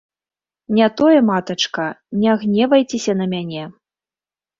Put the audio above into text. Не тое, матачка, не гневайцеся на мяне.